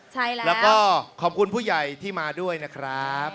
พ่อแม่พี่น้องอบตท่าสว่างทุกคนเลยค่ะ